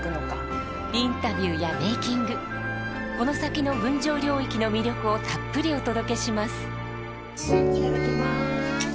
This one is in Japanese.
インタビューやメイキングこの先の「群青領域」の魅力をたっぷりお届けしますいただきます。